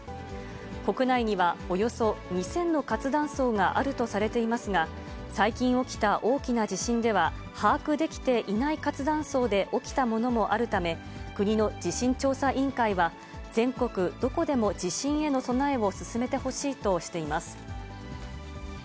国内にはおよそ２０００の活断層があるとされていますが、最近起きた大きな地震では、把握できていない活断層で起きたものもあるため、国の地震調査委員会は、全国どこでも地震への備えを進めてほしいとしています。